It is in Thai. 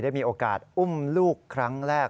มีโอกาสอุ้มลูกครั้งแรก